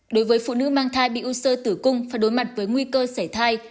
đối với phụ nữ mang thai bị u sơ tử cung và đối mặt với nguy cơ sẻ thai